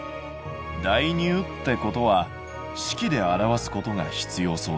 代入ってことは式で表すことが必要そうだ。